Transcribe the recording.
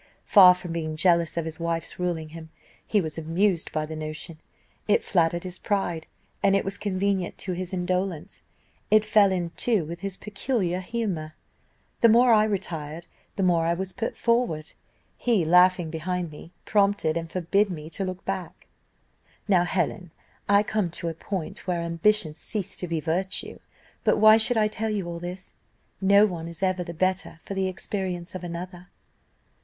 Far from being jealous of his wife's ruling him, he was amused by the notion: it flattered his pride, and it was convenient to his indolence; it fell in, too, with his peculiar humour. The more I retired, the more I was put forward, he, laughing behind me, prompted and forbade me to look back. "Now, Helen, I am come to a point where ambition ceased to be virtue. But why should I tell you all this? no one is ever the better for the experience of another."